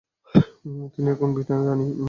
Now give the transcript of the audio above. তিনি এখন ব্রিটেনের রাণী।